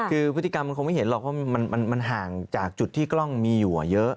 คือพฤติกรรมมันคงไม่เห็นหรอกเพราะมันห่างจากจุดที่กล้องมีอยู่เยอะ